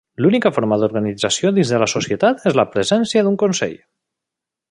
L'única forma d'organització dins de la societat és la presència d'un Consell.